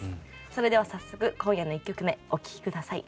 それでは早速今夜の１曲目お聴き下さい。